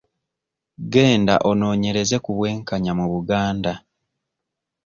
Genda onoonyereze ku bwenkanya mu Buganda.